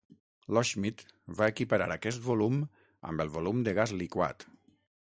Loschmidt va equiparar aquest volum amb el volum de gas liquat.